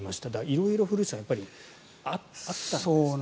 色々、古内さんあったんですね。